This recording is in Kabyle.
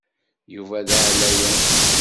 Yuba d aɛlayan.